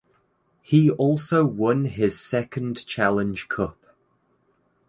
He also won his second Challenge Cup.